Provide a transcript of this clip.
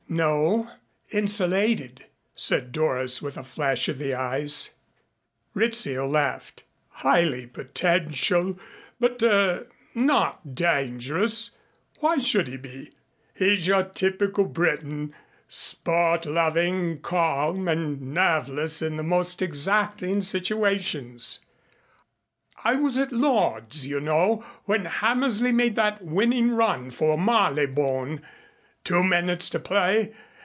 "No, insulated," said Doris with a flash of the eyes. Rizzio laughed. "Highly potential but er not dangerous. Why should he be? He's your typical Briton sport loving, calm and nerveless in the most exacting situations I was at Lords, you know, when Hammersley made that winning run for Marylebone two minutes to play.